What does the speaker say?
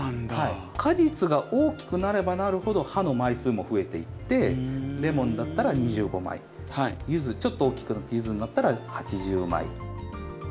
果実が大きくなればなるほど葉の枚数も増えていってレモンだったら２５枚ちょっと大きくなってユズになったら８０枚。